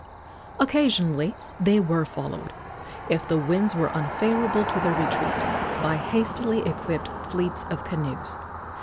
Occasionally they were followed, if the winds were unfavorable to their retreat, by hastily equipped fleets of canoes.